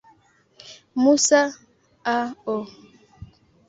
Musa, A. O.